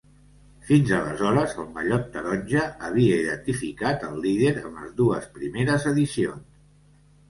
Fins aleshores el mallot taronja havia identificat el líder en les dues primeres edicions.